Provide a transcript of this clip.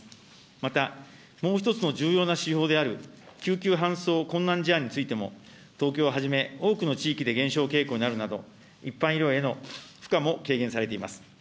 またもう一つの重要な指標である救急搬送困難事案についても、東京をはじめ、多くの地域で減少傾向にあるなど、一般医療への負荷も軽減されています。